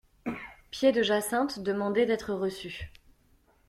Pied-de-Jacinthe demandait d'être reçu.